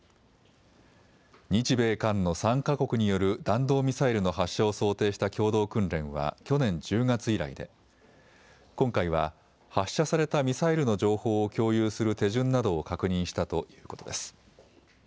日米韓の３か国による弾道ミサイルの発射を想定した共同訓練は去年１０月以来で今回は発射されたミサイルの情報を共有する手順などを確認したということです。